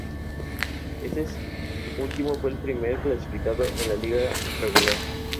El material seco se eleva a un tercio aproximadamente del peso de lo cosechado.